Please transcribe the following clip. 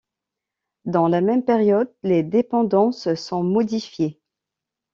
Dans la même période les dépendances sont modifiées.